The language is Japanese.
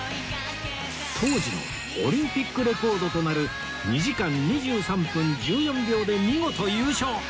当時のオリンピックレコードとなる２時間２３分１４秒で見事優勝！